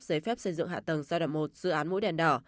giấy phép xây dựng hạ tầng giai đoạn một dự án mũi đèn đỏ